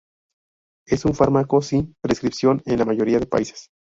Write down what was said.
Es un fármaco sin prescripción en la mayoría de países.